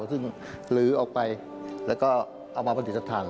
ซึ่งลื้อออกไปแล้วก็เอามาปฏิสถาน